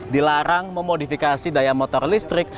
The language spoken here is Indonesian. dilarang memodifikasi daya motor listrik